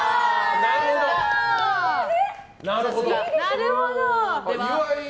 なるほど。